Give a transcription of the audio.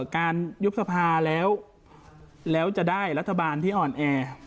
ยุบสภาแล้วแล้วจะได้รัฐบาลที่อ่อนแอ